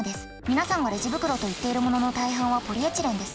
皆さんがレジ袋といっているものの大半はポリエチレンです。